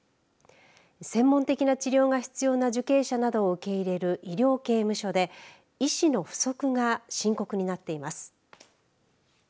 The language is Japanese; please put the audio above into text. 専門的な治療が必要な受刑者などを受け入れる医療刑務所で医師の不足が深刻になっています。